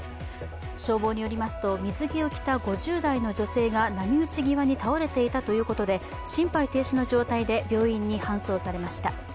消防によりますと水着を着た５０代の女性が波打ち際に倒れていたということで心肺停止の状態で病院に搬送されました。